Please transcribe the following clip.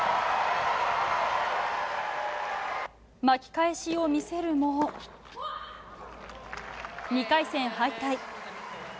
巻き返しを見せるも２回戦敗退。